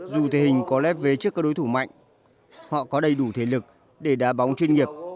dù thể hình có lẽ về trước các đối thủ mạnh họ có đầy đủ thể lực để đá bóng chuyên nghiệp